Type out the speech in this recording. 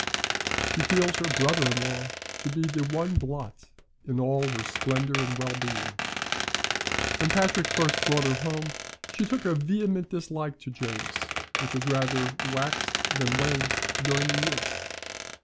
She feels her brother in law to be the one blot in all her splendour and well being. When Patrick first brought her home, she took a vehement dislike to James, which has rather waxed than waned during the years.